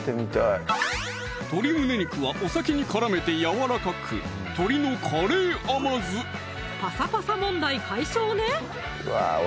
鶏胸肉はお酒に絡めてやわらかくパサパサ問題解消ね